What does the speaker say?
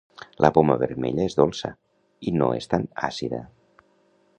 La poma vermella és dolça i no és tan àcida